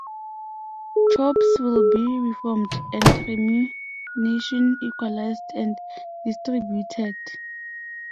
Troops will be re-formed, and ammunition equalized and distributed.